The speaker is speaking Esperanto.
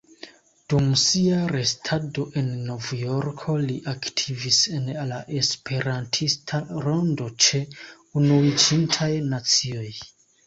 Dum sia restado en Novjorko li aktivis en la Esperantista rondo ĉe Unuiĝintaj Nacioj.